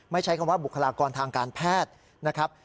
ใช้คำว่าบุคลากรทางการแพทย์นะครับ